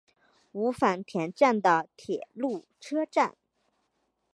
五反田站的铁路车站。